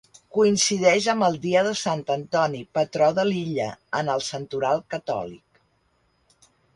Coincideix amb el dia de Sant Antoni, patró de l'illa, en el santoral catòlic.